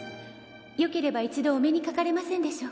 「よければ一度お目にかかれませんでしょうか？」